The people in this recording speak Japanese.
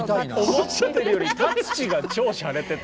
思ってたよりタッチが超しゃれてて。